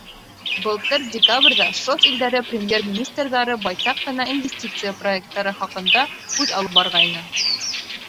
Былтыр декабрҙә ШОС илдәре премьер-министрҙары байтаҡ ҡына инвестиция проекттары хаҡында һүҙ алып барғайны.